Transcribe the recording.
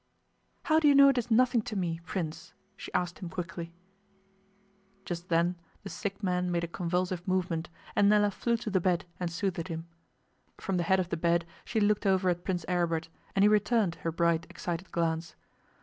'How do you know it is nothing to me, Prince?' she asked him quickly. Just then the sick man made a convulsive movement, and Nella flew to the bed and soothed him. From the head of the bed she looked over at Prince Aribert, and he returned her bright, excited glance.